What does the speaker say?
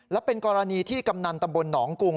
และเป็นกรณีที่กำนันตำบลหนองกรุง